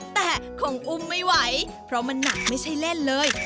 แต่คงอุ้มไม่ไหวเพราะมันหนักไม่ใช่เล่นเลย